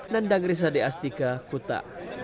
nandang risade astika kuta